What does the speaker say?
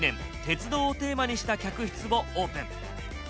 鉄道をテーマにした客室をオープン。